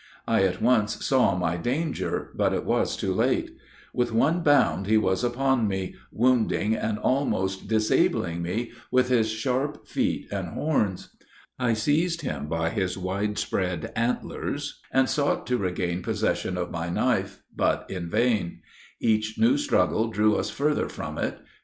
I at once saw my danger, but it was too late. With one bound, he was upon me, wounding and almost disabling me with his sharp feet and horns. I seized him by his wide spread antlers, and sought to regain possession of my knife, but in vain; each new struggle drew us further from it.